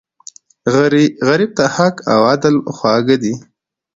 غریب ته حق او عدل خواږه دي